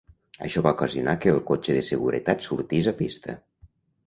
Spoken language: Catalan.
Això va ocasionar que el cotxe de seguretat sortís a pista.